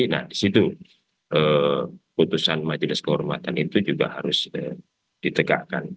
nah di situ putusan majelis kehormatan itu juga harus ditegakkan